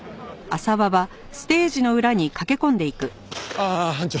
ああ班長。